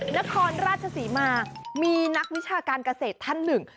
นครราชศรีมามีนักวิชาการเกษตรท่านหนึ่ง